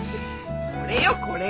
これよこれ。